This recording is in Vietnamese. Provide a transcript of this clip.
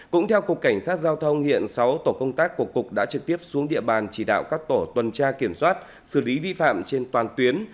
cũng theo cục cảnh sát giao thông hiện sáu tổ công tác của cục đã trực tiếp xuống địa bàn chỉ đạo các tổ tuần tra kiểm soát xử lý vi phạm trên toàn tuyến